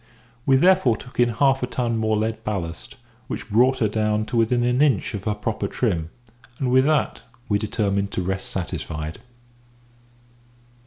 We therefore took in half a ton more lead ballast, which brought her down to within an inch of her proper trim, and with that we determined to rest satisfied.